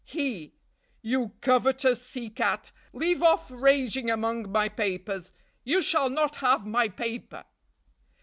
"He. 'You covetous sea cat, leave off raging among my papers! You shall not have my paper!'